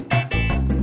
ya ini lagi